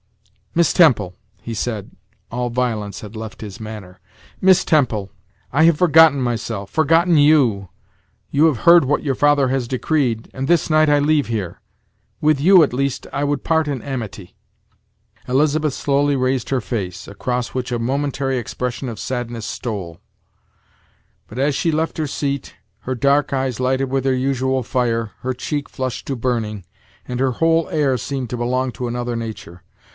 "Miss Temple," he said all violence had left his manner "Miss Temple I have forgotten myself forgotten you. You have heard what your father has decreed, and this night I leave here. With you, at least, I would part in amity." Elizabeth slowly raised her face, across which a momentary expression of sadness stole; but as she left her seat, her dark eyes lighted with their usual fire, her cheek flushed to burning, and her whole air seemed to belong to another nature.